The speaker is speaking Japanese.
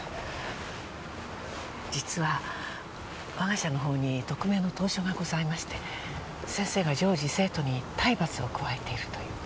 実は我が社の方に匿名の投書がございまして先生が常時生徒に体罰を加えているという。